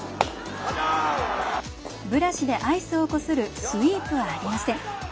ブラシでアイスをこするスイープはありません。